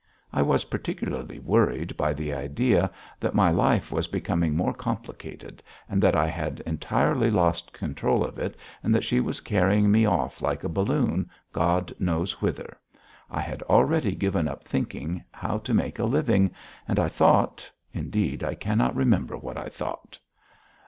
I was particularly worried by the idea that my life was becoming more complicated, and that I had entirely lost control of it, and that she was carrying me off like a balloon, God knows whither. I had already given up thinking how to make a living, and I thought indeed, I cannot remember what I thought.